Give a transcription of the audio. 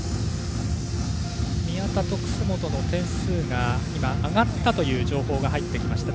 宮田と楠元の点数が今、上がったという情報が入ってきました。